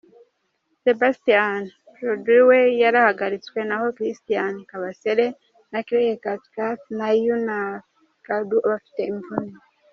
Sebastian Prodl we yarahagaritswe naho Christian Kabasele, Craig Cathcart na Younes Kaboul bafite imvune.